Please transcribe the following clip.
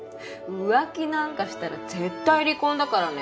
浮気なんかしたら絶対離婚だからね。